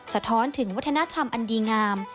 สะท้อนถึงวัฒนธรรมอันดีงาม